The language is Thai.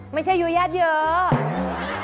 ไม่ใช่ยูญาติเยอะ